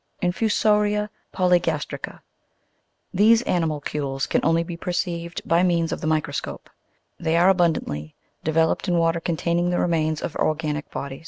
12. INFUSO'RIA POLYGAS'TRICA. These animalcules can only be perceived by means of the microscope ; they are abundantly developed in water containing the remains of organic bodies ; 6 31 Fig.